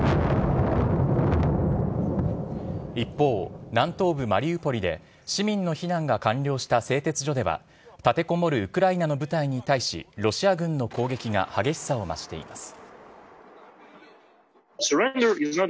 一方、南東部マリウポリで、市民の避難が完了した製鉄所では、立てこもるウクライナの部隊に対し、ロシア軍の攻撃が激しさを増しています。